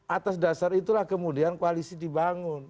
atas dasar itulah kemudian koalisi dibangun